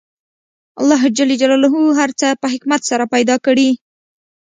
الله ج هر څه په حکمت سره پیدا کړي